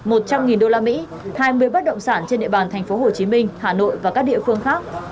một trăm linh usd hai mươi bất động sản trên địa bàn tp hcm hà nội và các địa phương khác